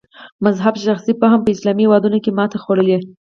مذهب شخصي فهم په اسلامي هېوادونو کې ماتې خوړلې.